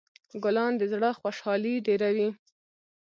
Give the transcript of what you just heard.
ګلان د زړه خوشحالي ډېروي.